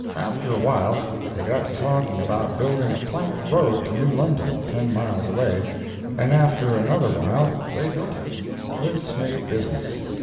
After a while they got to talking about building a plank road to New London, ten miles away, and after another while, they built it. This made business.